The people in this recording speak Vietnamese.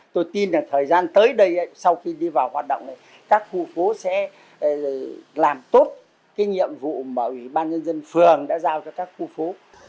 tôi tin là thời gian tới đây sau khi đi vào hoạt động các khu phố sẽ làm tốt cái nhiệm vụ mà ủy ban nhân dân phường đã giao cho các khu phố